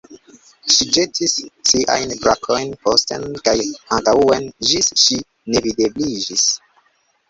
Ŝi ĵetis siajn brakojn posten kaj antaŭen, ĝis ŝi nevidebliĝis.